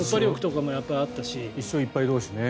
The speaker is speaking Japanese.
１勝１敗同士ね。